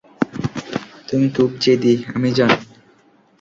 তুমি খুব জেদি, আমি জানি।